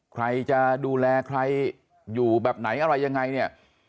ใครจะดูแลใครอยู่แบบไหนอะไรยังไงเนี่ย